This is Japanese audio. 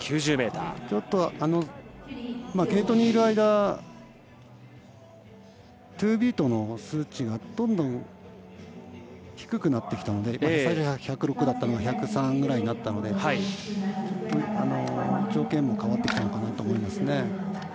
ちょっと、ゲートにいる間ツービートの数値がどんどん低くなってきたので最初、１０６だったのが１０３ぐらいになったので条件も変わってきたのかなと思いますね。